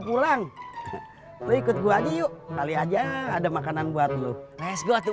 pulang berikut gua di yuk kali aja ada makanan buat saya ya makasih ya makasih ya ya kakaknya